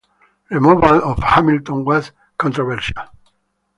Removal of Hamilton was controversial.